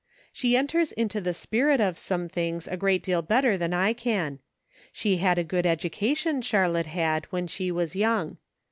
She en ters into the spirit of some things a great deal bet ter than I can ; she had a good education, Charlotte had, when she was young.